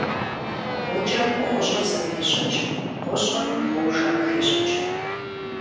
Гъукӏэм гъущӏыр зэпещӏыкӏ, гъущӏым гъубжэ къыхещӏыкӏ.